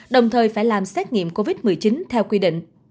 đồng thời phải làm xét nghiệm covid một mươi chín theo quy định